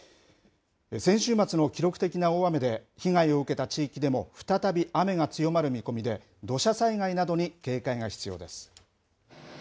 先週末の記録的な大雨で被害を受けた地域でも再び雨が強まる見込みで土砂災害などに警戒が必要です。